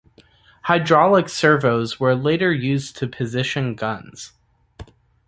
Hydraulic servos were later used to position guns.